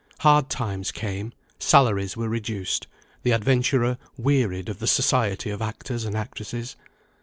Hard times came; salaries were reduced; the adventurer wearied of the society of actors and actresses.